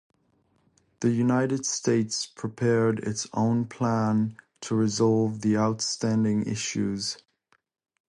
The United States prepared its own plan to resolve the outstanding issues.